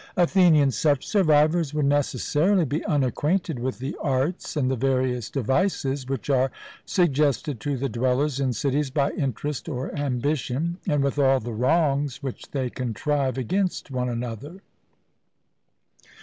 ATHENIAN: Such survivors would necessarily be unacquainted with the arts and the various devices which are suggested to the dwellers in cities by interest or ambition, and with all the wrongs which they contrive against one another.